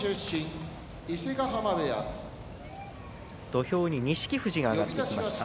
土俵に錦富士が上がってきました。